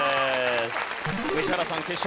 宇治原さん決勝